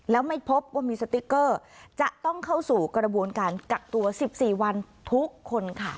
แล้วไม่พบว่ามีสติ๊กเกอร์จะต้องเข้าสู่กระบวนการกักตัว๑๔วันทุกคนค่ะ